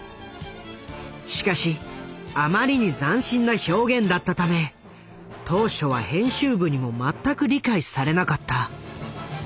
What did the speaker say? しかしあまりに斬新な表現だったため当初は編集部にも全く理解されなかった。